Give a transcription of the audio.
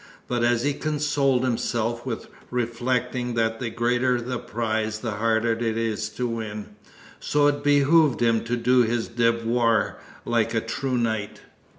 But as he consoled himself with reflecting that the greater the prize the harder it is to win, so it behooved him to do his devoir like a true knight.